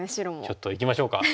ちょっといきましょうか。